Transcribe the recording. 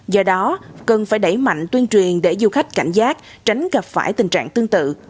do đó cần phải đẩy mạnh tuyên truyền để du khách cảnh giác tránh gặp phải tình trạng tương tự